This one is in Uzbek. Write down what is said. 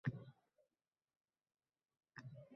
Uyma-uy yurib shu dard bilan ogʻrigan bemorlarni davoladi.